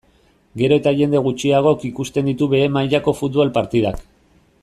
Gero eta jende gutxiagok ikusten ditu behe mailako futbol partidak.